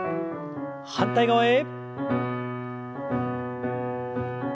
反対側へ。